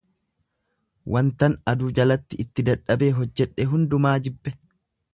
wantan aduu jalatti itti dadhabee hojjedhe hundumaa jibbe;